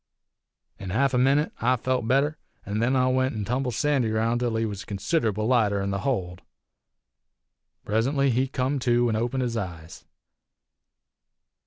In half a minit I felt better, an' then I went an' tumbled Sandy roun' till he was considerable lighter in the hold. Presently he come to an' opened his eyes.